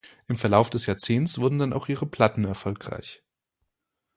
Im Verlauf des Jahrzehnts wurden dann auch ihre Platten erfolgreich.